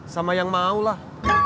sama yang mau lah